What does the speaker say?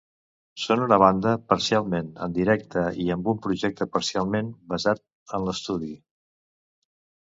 Són una banda parcialment en directe i amb un projecte parcialment basat en l'estudi.